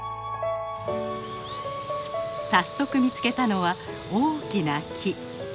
早速見つけたのは大きな木。